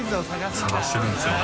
探してるんですよね。